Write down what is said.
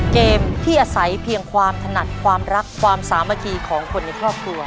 เกมที่อาศัยเพียงความถนัดความรักความสามัคคีของคนในครอบครัว